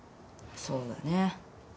そうだね。